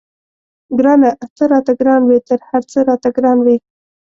ګرانه ته راته ګران وې تر هر څه راته ګران وې.